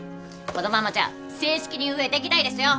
このままじゃ正式に運営できないですよ！